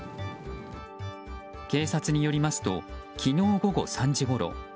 警察によりますと昨日午後３時ごろ